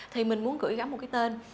thì mình muốn gửi gắn một cái tên